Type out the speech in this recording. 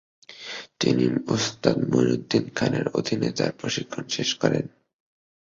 তিনি ওস্তাদ মইনুদ্দিন খানের অধীনে তাঁর প্রশিক্ষণ শেষ করেন।